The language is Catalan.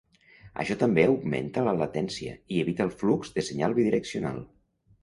Això també augmenta la latència i evita el flux de senyal bidireccional.